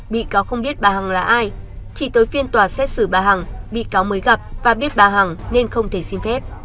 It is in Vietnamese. bị cáo không biết bà hằng là ai chỉ tới phiên tòa xét xử bà hằng bị cáo mới gặp và biết bà hằng nên không thể xin phép